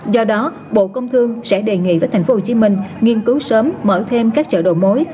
do đó bộ công thương sẽ đề nghị với thành phố hồ chí minh nghiên cứu sớm mở thêm các chợ đầu mối